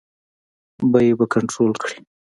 بیې به کنټرول کړي.